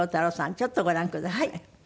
ちょっとご覧ください。